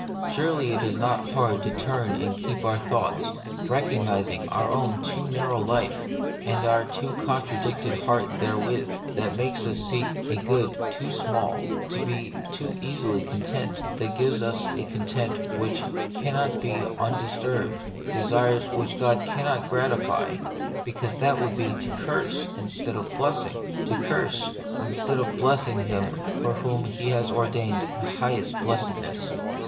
Surely it is not hard thus to turn and keep our thoughts, recognising our own too narrow life, and our too contracted heart therewith, that makes us seek a good too small, and be too easily content ; that gives us a content which cannot be undisturbed, desires which God cannot gratify, because that would be to curse instead of blessing ; to curse instead of blessing him for whom He has ordained the highest blessedness.